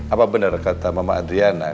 apa benar kata mama adriana